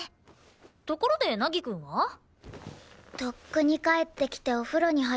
ところで凪くんは？とっくに帰ってきてお風呂に入ってるよ。